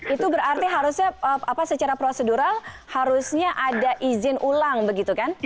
itu berarti harusnya secara prosedural harusnya ada izin ulang begitu kan